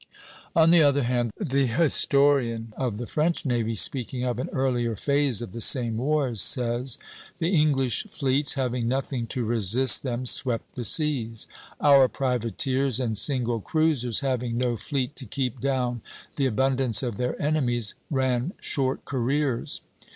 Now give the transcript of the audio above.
On the other hand, the historian of the French navy, speaking of an earlier phase of the same wars, says: "The English fleets, having nothing to resist them, swept the seas. Our privateers and single cruisers, having no fleet to keep down the abundance of their enemies, ran short careers.